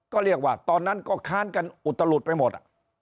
ก็เรียกว่าตอนนั้นก็ค้านกันอุตลุดไปหมด